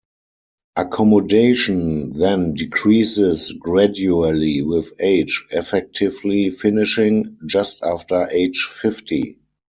Accommodation then decreases gradually with age, effectively finishing just after age fifty.